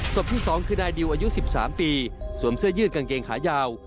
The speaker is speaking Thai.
ที่๒คือนายดิวอายุ๑๓ปีสวมเสื้อยืดกางเกงขายาว